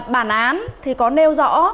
bản án thì có nêu rõ